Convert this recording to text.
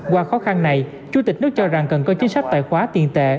qua khó khăn này chủ tịch nước cho rằng cần có chính sách tài khoá tiền tệ